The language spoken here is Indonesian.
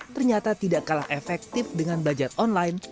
ternyata tidak kalah efektif dengan belajar online